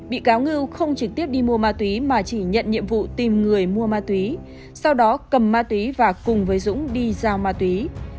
bị cáo ngư không trực tiếp đi mua ma túy mà chỉ nhận nhiệm vụ tìm người mua ma túy sau đó cầm ma túy và cùng với dũng đi giao ma túy